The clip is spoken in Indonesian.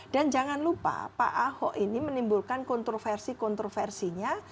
dan jangan lupa pak ahok ini menimbulkan kontroversi kontroversinya